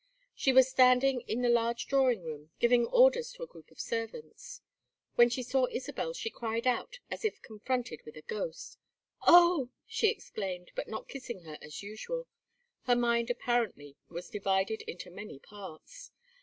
She was standing in the large drawing room, giving orders to a group of servants. When she saw Isabel she cried out as if confronted with a ghost. "Oh!" she exclaimed, but not kissing her as usual; her mind apparently was divided into many parts.